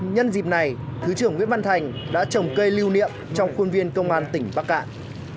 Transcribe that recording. nhân dịp này thứ trưởng nguyễn văn thành đã trồng cây lưu niệm trong khuôn viên công an tỉnh bắc cạn